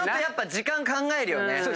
やっぱ時間考えるよね。